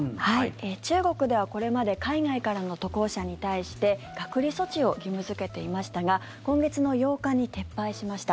中国では、これまで海外からの渡航者に対して隔離措置を義務付けていましたが今月の８日に撤廃しました。